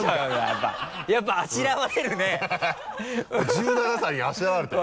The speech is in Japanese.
１７歳にあしらわれてる。